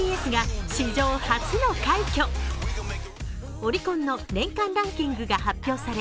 オリコンの年間ランキングが発表され